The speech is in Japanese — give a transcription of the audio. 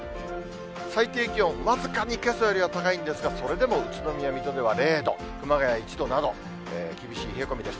最低気温、僅かにけさよりは高いんですが、それでも宇都宮、水戸では０度、熊谷１度など、厳しい冷え込みです。